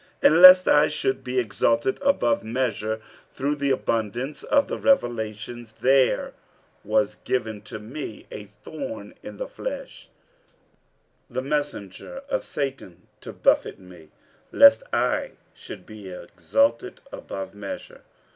47:012:007 And lest I should be exalted above measure through the abundance of the revelations, there was given to me a thorn in the flesh, the messenger of Satan to buffet me, lest I should be exalted above measure.